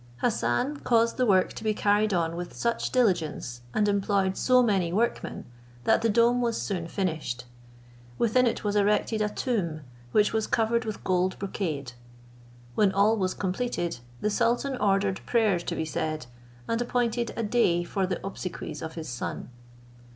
Hassan caused the work to be carried on with such diligence, and employed so many workmen, that the dome was soon finished. Within it was erected a tomb, which was covered with gold brocade. When all was completed, the sultan ordered prayers to be said, and appointed a day for the obsequies of his son.